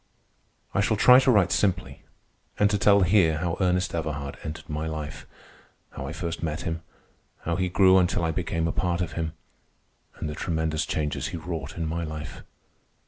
I shall try to write simply and to tell here how Ernest Everhard entered my life—how I first met him, how he grew until I became a part of him, and the tremendous changes he wrought in my life.